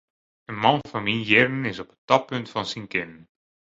In man fan myn jierren is op it toppunt fan syn kinnen.